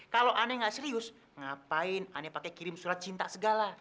kalau aneh nggak serius ngapain aneh pakai kirim surat cinta segala